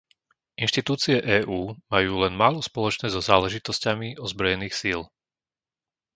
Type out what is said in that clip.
Inštitúcie EÚ majú len málo spoločné so záležitosťami ozbrojených síl.